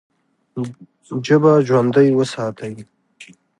ژبه ژوندۍ وساتئ!